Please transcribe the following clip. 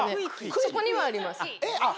そこにはあります。